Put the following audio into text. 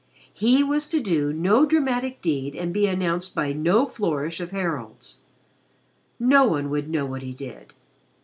He was to do no dramatic deed and be announced by no flourish of heralds. No one would know what he did.